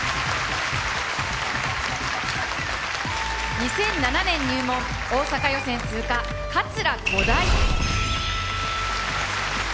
２００７年入門大阪予選通過桂小鯛。